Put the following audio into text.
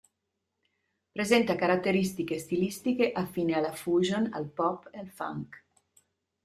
Presenta caratteristiche stilistiche affini alla fusion, al pop e al funk.